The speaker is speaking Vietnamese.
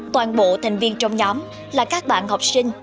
toàn bộ thành viên trong nhóm là các bạn học sinh